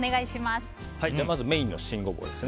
まずメインの新ゴボウです。